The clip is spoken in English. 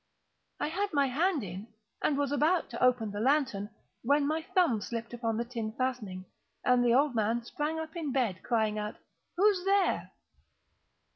I had my head in, and was about to open the lantern, when my thumb slipped upon the tin fastening, and the old man sprang up in bed, crying out—"Who's there?"